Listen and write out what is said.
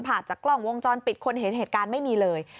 จากกล้องวงจรปิดคนเห็นเหตุการณ์ไม่มีเลย